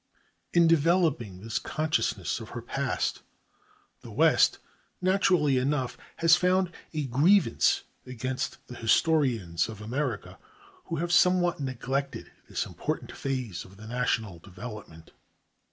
In developing this consciousness of her past, the West, naturally enough, has found a grievance against the historians of America who have somewhat neglected this important phase of the national development.